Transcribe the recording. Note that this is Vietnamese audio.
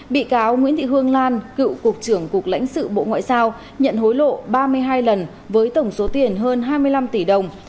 bị cáo nguyễn thị hương lan cựu cục trưởng cục lãnh sự bộ ngoại giao nhận hối lộ ba mươi hai lần với tổng số tiền hơn hai mươi năm tỷ đồng